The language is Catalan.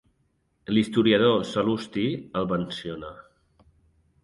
L'historiador Sal·lusti el menciona.